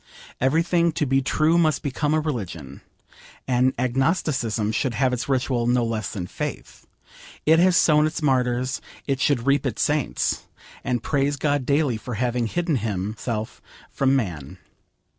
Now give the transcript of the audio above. Every thing to be true must become a religion. And agnosticism should have its ritual no less than faith. It has sown its martyrs, it should reap its saints, and praise God daily for having hidden Himself from man.